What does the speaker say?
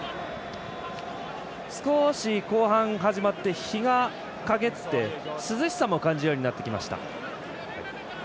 少し後半、始まって日が、かげって涼しさも感じられるようになってきました。